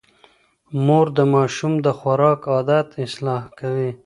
مور د ماشوم د خوراک عادت اصلاح کوي.